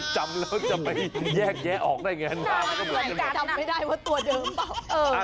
จำแล้วจะไปแยกแยะออกได้ไงหน้าจำไม่ได้ว่าตัวเดิมเปล่า